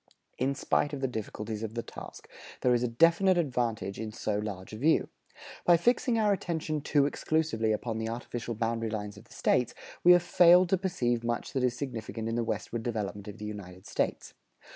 In spite of the difficulties of the task, there is a definite advantage in so large a view. By fixing our attention too exclusively upon the artificial boundary lines of the States, we have failed to perceive much that is significant in the westward development of the United States.